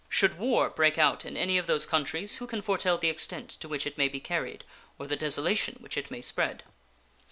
Should war break out in any of those countries who can foretell the extent to which it may be carried or the desolation which it may spread?